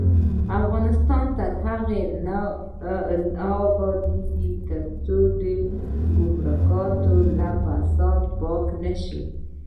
افغانستان تر هغو نه ابادیږي، ترڅو ګمرکات له فساده پاک نشي.